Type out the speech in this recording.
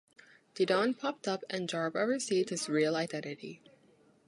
Didon popped up, and Jarba revealed his real identity.